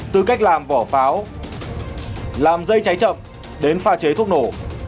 từ cách làm vỏ pháo làm dây cháy chậm đến pha chế thuốc nổ